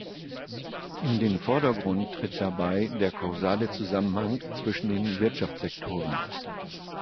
In den Vordergrund tritt dabei der kausale Zusammenhang zwischen den Wirtschaftssektoren.